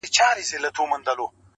زه يې په هر ټال کي اویا زره غمونه وينم.